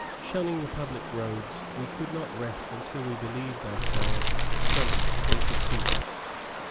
Shunning the public roads; we could not rest until we believed ourselves safe from pursuit.